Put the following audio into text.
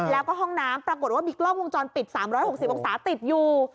แล้วก็ห้องน้ำปรากฏว่ามีกล้องวงจรปิด๓๖๐องศาติดอยู่